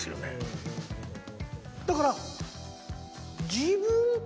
だから。